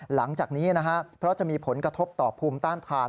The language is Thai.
หลังจากนี้นะฮะเพราะจะมีผลกระทบต่อภูมิต้านทาน